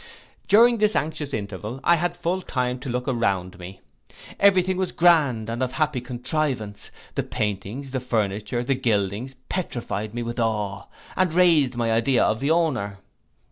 During this anxious interval I had full time to look round me. Every thing was grand, and of happy contrivance: the paintings, the furniture, the gildings, petrified me with awe, and raised my idea of the owner.